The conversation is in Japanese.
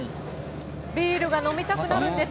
ビールが飲みたくなるんです。